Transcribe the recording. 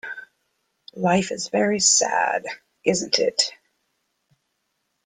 Life is very sad, isn't it?